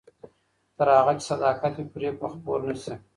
تر هغه چې صداقت وي، فریب به خپور نه شي.